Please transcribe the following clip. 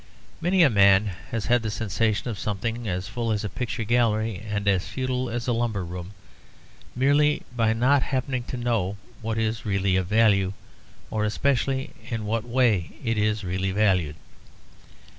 Many a man has had the sensation of something as full as a picture gallery and as futile as a lumber room, merely by not happening to know what is really of value, or especially in what way it is really valued.